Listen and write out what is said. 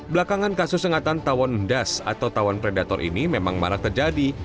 belakangan kasus sengatan tawon das atau tawon predator ini memang marak terjadi